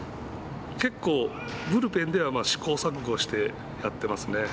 結構ブルペンでは試行錯誤してやってますね。